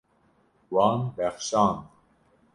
Wan bexşand.